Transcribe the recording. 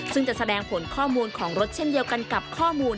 ซึ่งจะแสดงผลข้อมูลของรถเช่นเดียวกันกับข้อมูล